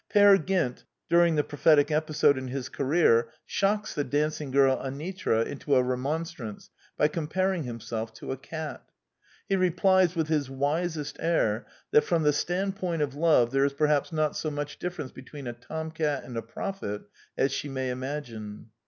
Peer Gynt, during the prophetic episode in his The Anti Idealist Plays 121 career, shocks the dancing girl Anitra into a re monstrance by comparing himself to a cat. He replies, with his wisest air, that from the stand point of love there is perhaps not so much differ ence between a tomcat and a prophet as she may imagine.